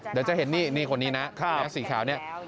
เดี๋ยวจะเห็นนี่คนนี้นะสีขาวเนี่ย